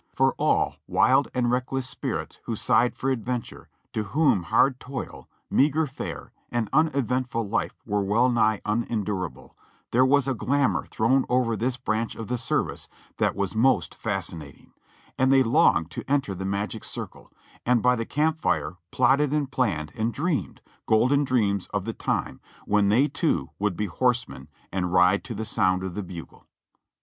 For all wild and reckless spirits who sighed for adventure, to whom hard toil, meagre fare and uneventful life were well nigh unendurable, there was a glamour thrown over this branch of the service that was most fascinating, and they longed to enter the magic circle, and by the camp fire plotted and planned and dreamed golden dreams of the time when they too would be horsemen and ride to the sound of the bugle.